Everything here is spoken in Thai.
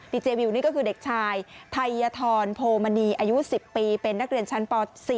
เจวิวนี่ก็คือเด็กชายไทยธรโพมณีอายุ๑๐ปีเป็นนักเรียนชั้นป๔